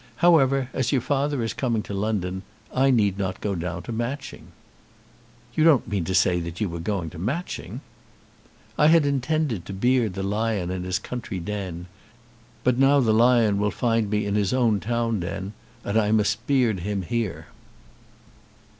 However, as your father is coming to London, I need not go down to Matching." "You don't mean to say that you were going to Matching?" "I had intended to beard the lion in his country den; but now the lion will find me in his own town den, and I must beard him here."